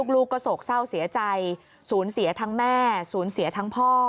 ลูกก็โศกเศร้าเสียใจสูญเสียทั้งแม่สูญเสียทั้งพ่อ